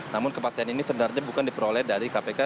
namun kematian ini sebenarnya bukan diperoleh dari kpk